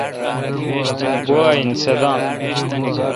گوا این صدام۔